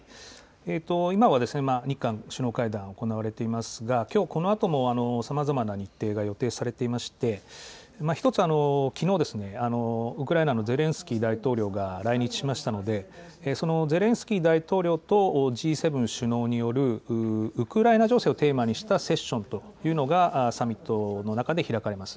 今は日韓首脳会談が行われていますが、きょうこのあとも、さまざまな日程が予定されていまして、一つ、きのう、ウクライナのゼレンスキー大統領が来日しましたので、ゼレンスキー大統領とＧ７首脳によるウクライナ情勢をテーマにしたセッションというのがサミットの中で開かれます。